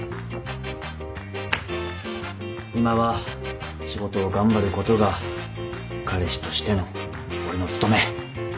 今は仕事を頑張ることが彼氏としての俺の務め。